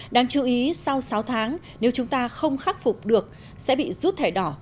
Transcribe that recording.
đáng chú ý sau sáu tháng nếu chúng ta không khắc phục được sẽ bị rút thẻ đỏ